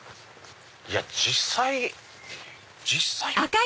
いや実際実際。